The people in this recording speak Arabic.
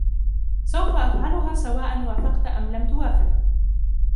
سوف أفعلها سواءاً وافقت أم لم توافق.